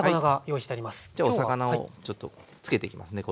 じゃお魚をちょっとつけていきますね衣。